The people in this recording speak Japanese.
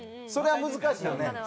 それは難しいよね。